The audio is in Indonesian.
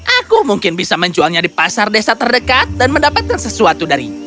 aku mungkin bisa menjualnya di pasar desa terdekat dan mendapatkan sesuatu dari